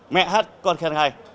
mẹ hát con khen hay